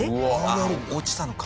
落ちたのか。